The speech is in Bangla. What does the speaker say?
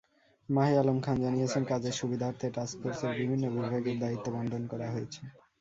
মাহে আলম খান জানিয়েছেন, কাজের সুবিধার্থে টাস্কফোর্সের বিভিন্ন বিভাগের দায়িত্ব বণ্টন করা হয়েছে।